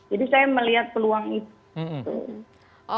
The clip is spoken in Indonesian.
saya melihat peluang itu